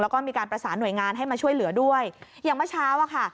แล้วก็มีการประสานหน่วยงานให้มาช่วยเหลือด้วยอย่างเมื่อเช้าอะค่ะ